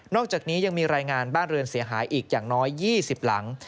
อกจากนี้ยังมีรายงานบ้านเรือนเสียหายอีกอย่างน้อย๒๐หลัง